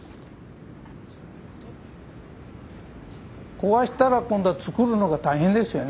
壊したら今度は造るのが大変ですよね。